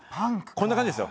こんな感じですよ。